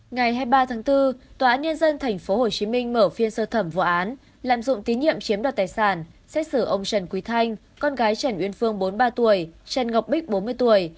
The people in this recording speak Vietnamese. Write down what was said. ngày hai mươi ba tháng bốn tòa án nhân dân tp hcm mở phiên sơ thẩm vụ án lạm dụng tín nhiệm chiếm đoạt tài sản xét xử ông trần quý thanh con gái trần uyên phương bốn mươi ba tuổi trần ngọc bích bốn mươi tuổi